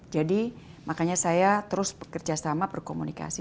jadi makanya saya terus bekerja sama berkomunikasi